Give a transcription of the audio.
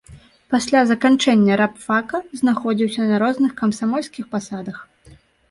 Пасля заканчэння рабфака знаходзіўся на розных камсамольскіх пасадах.